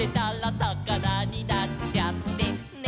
「さかなになっちゃってね」